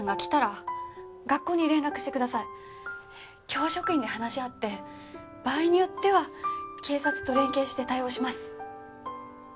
教職員で話し合って場合によっては警察と連携して対応します。